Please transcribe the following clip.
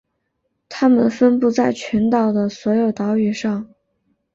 它们分布在群岛的所有岛屿上。